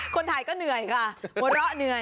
คนไทยก็เหนื่อยค่ะหัวเราะเหนื่อย